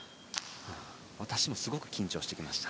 私もすごく緊張してきました。